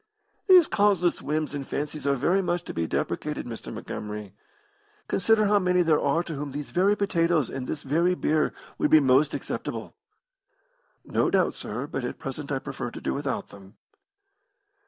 "These causeless whims and fancies are very much to be deprecated, Mr. Montgomery. Consider how many there are to whom these very potatoes and this very beer would be most acceptable." "No doubt, sir, but at present I prefer to do without them."